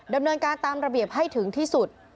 ดำเนินการตามระเบียบให้ถึงที่สุด